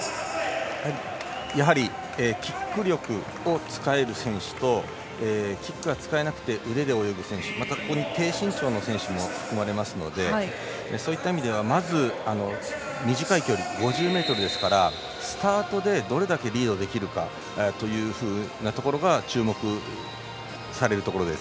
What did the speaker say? キック力を使える選手とキックが使えなくて腕で泳ぐ選手また、ここに低身長の選手も含まれますのでそういった意味ではまず短い距離、５０ｍですからスタートでどれだけリードできるかというふうなところが注目されるところです。